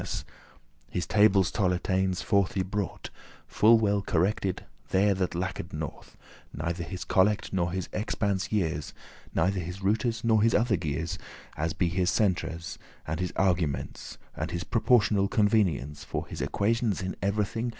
* *detestable villainy* His tables Toletanes <19> forth he brought, Full well corrected, that there lacked nought, Neither his collect, nor his expanse years, Neither his rootes, nor his other gears, As be his centres, and his arguments, And his proportional convenients For his equations in everything.